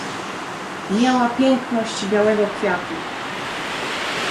"Miała piękność białego kwiatu."